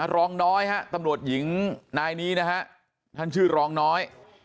รองน้อยฮะตำรวจหญิงนายนี้นะฮะท่านชื่อรองน้อย